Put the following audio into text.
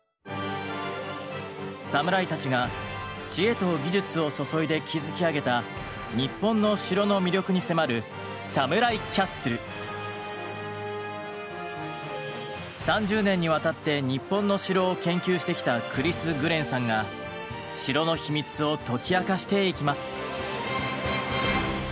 サムライたちが知恵と技術を注いで築き上げた日本の城の魅力に迫る３０年にわたって日本の城を研究してきたクリス・グレンさんが城の秘密を解き明かしていきます。